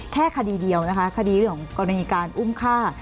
คดีเดียวนะคะคดีเรื่องของกรณีการอุ้มฆ่า